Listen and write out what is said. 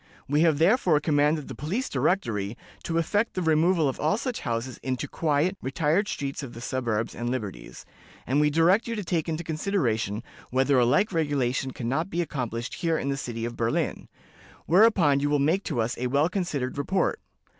We have therefore commanded the Police Directory to effect the removal of all such houses into quiet, retired streets of the suburbs and liberties, and we direct you to take into consideration whether a like regulation can not be accomplished here in the city of Berlin; whereupon you will make to us a well considered report.